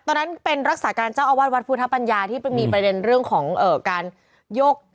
ตอนนั้นเป็นรักษาการเจ้าอาวาสวัดพุทธปัญญาที่มีประเด็นเรื่องของการยก